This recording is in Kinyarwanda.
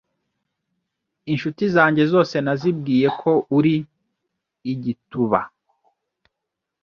Inshuti zanjye zose nazibwiyeko uri igituba